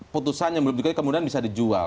putusannya kemudian bisa dijual